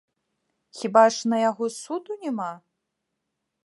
Хіба ж на яго суду няма?